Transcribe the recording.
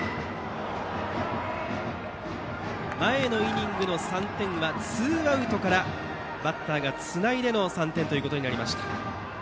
前のイニングの３点はツーアウトからバッターがつないでの３点でした。